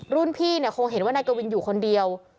รุ่นพี่เนี่ยคงเห็นว่านายกวินอยู่คนเดียว